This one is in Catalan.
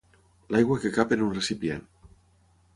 L'aigua que cap en un recipient.